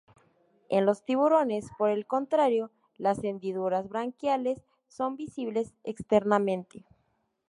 En los tiburones, por el contrario, las hendiduras branquiales son visibles externamente.